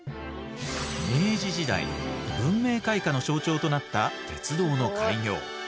明治時代文明開花の象徴となった鉄道の開業。